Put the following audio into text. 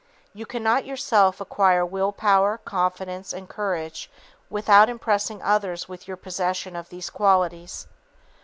You cannot yourself acquire will power, confidence and courage without impressing others with your possession of these qualities.